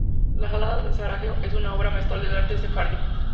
La Hagadá de Sarajevo es una obra maestra del arte sefardí.